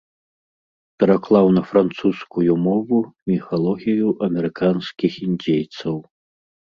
Пераклаў на французскую мову міфалогію амерыканскіх індзейцаў.